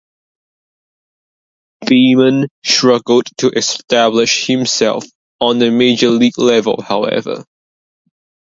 Beamon struggled to establish himself on the major league level, however.